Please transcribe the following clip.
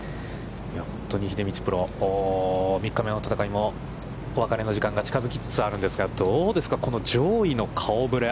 本当に、秀道プロ、３日目の戦いもお別れの時間が近づきつつあるんですが、どうですか、この上位の顔ぶれ。